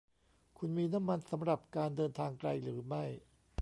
คุณมีน้ำมันสำหรับการเดินทางไกลหรือไม่